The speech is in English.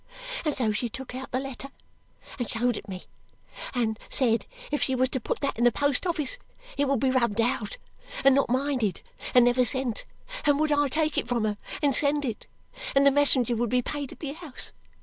And so she took out the letter, and showed it me, and said if she was to put that in the post office, it would be rubbed out and not minded and never sent; and would I take it from her, and send it, and the messenger would be paid at the house.